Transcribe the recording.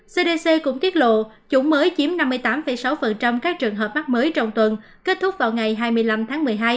cdc cũng tiết lộ chủng mới chiếm năm mươi tám sáu các trường hợp mắc mới trong tuần kết thúc vào ngày hai mươi năm tháng một mươi hai